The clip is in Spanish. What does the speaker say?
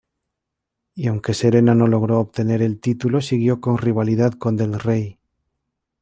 Y aunque Serena no logró obtener el título siguió con rivalidad con Del Rey.